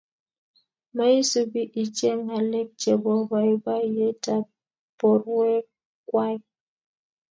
maisupi iche ngalek chebo boiboiyetab borwekwai